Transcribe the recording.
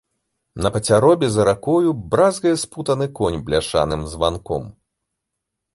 На пацяробе за ракою бразгае спутаны конь бляшаным званком.